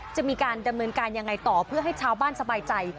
จะมีการดำเนินการยังไงต่อเพื่อให้ชาวบ้านสบายใจ